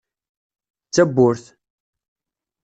D tawwurt.